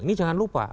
ini jangan lupa